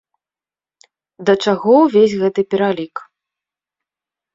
Да чаго ўвесь гэты пералік?